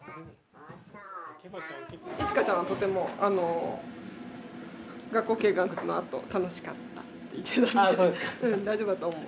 いちかちゃんはとても学校見学のあと「楽しかった」って言ってたのでうん大丈夫だと思う。